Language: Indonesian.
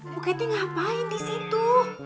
bu kety ngapain di situ